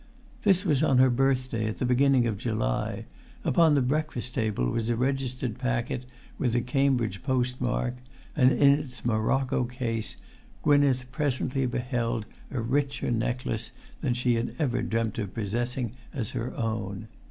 This was on her birthday at the beginning of July; upon the breakfast table was a registered packet with the Cambridge post mark, and in its morocco case Gwynneth presently beheld a richer necklace than she had ever dreamt of possessing as[Pg 302] her own.